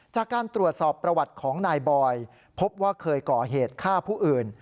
จากการตรวจสอบประวัติของนายบอยพบว่าเคยก่อเหตุฆ่าผู้อื่น